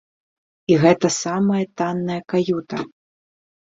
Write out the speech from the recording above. І гэта самая танная каюта!